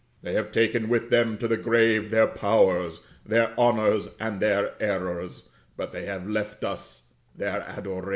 They have taken with them to the grave their powers, their honors, and their errors; but they have left us their adoration.